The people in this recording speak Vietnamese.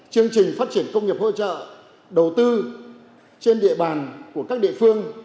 chương trình phát triển công nghiệp hỗ trợ đầu tư trên địa bàn của các địa phương